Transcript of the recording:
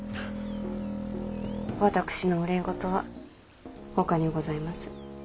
私の憂い事はほかにございます。